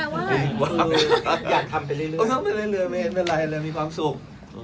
อยากทำไปเรื่อยไม่เห็นเป็นไรเลยมีความสุข